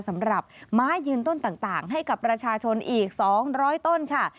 สำหรับไม้ยืนต้นต่างให้กับประชาชนอีก๒๐๐ต้นค่ะ